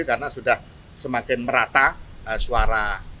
karena sudah semakin merata suara pkb